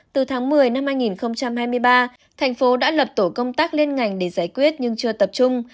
từ tháng một mươi năm hai nghìn hai mươi ba thành phố đã lập tổ công tác liên ngành để giải quyết nhưng chưa tập trung